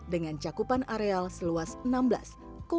dengan cakupan areal seluas enam belas tiga juta ton